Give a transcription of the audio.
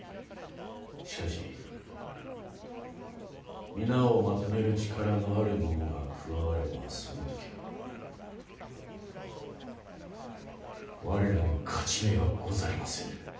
しかし皆をまとめる力のある者が加わればその時は我らの勝ち目はござりませぬ。